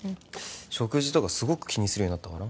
食事とかすごく気にするようになったかな